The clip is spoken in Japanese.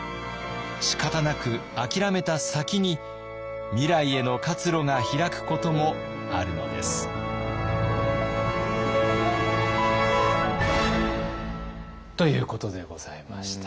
しかたなくあきらめた先に未来への活路が開くこともあるのです。ということでございました。